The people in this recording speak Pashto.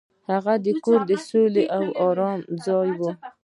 هغه کور د سولې او ارامۍ ځای و.